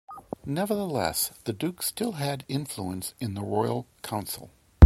Nevertheless, the Duke still had influence in the Royal Council.